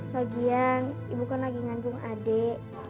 lagian ibu kan lagi ngandung adik